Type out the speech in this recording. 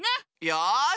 よし。